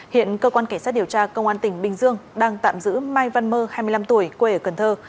hiện cơ quan cảnh sát điều tra công an tỉnh bình dương đang tạm giữ mai văn mơ hai mươi năm tuổi quê ở cần thơ